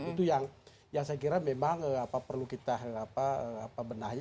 itu yang saya kira memang perlu kita benahi